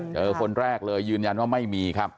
คนแรกเลยยืนยันว่าไม่มีครับ